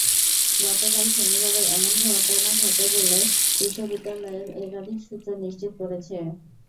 গতকাল শনিবারও এমন ঘটনা ঘটে বলে বিশ্ববিদ্যালয়ের একাধিক সূত্র নিশ্চিত করেছে।